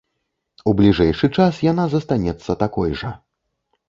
У бліжэйшы час яна застанецца такой жа.